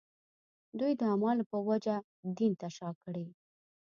دوی د اعمالو په وجه دین ته شا کړي.